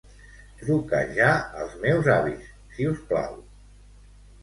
Truca ja als meus avis, si us plau.